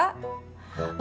rumusnya cuma ini ya pak